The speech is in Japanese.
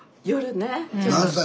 何歳？